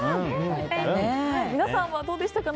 皆さんはどうでしたか？